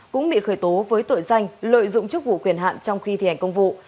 cũng bị khởi tố với tội danh lợi dụng chức vụ quyền hạn trong khi thi hành công vụ